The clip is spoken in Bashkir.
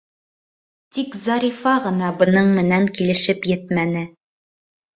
Тик Зарифа ғына бының менән килешеп етмәне.